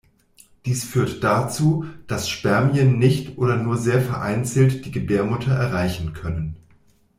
Dies führt dazu, dass Spermien nicht oder nur sehr vereinzelt die Gebärmutter erreichen können.